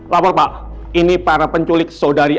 lapor pak ini para penculik saudari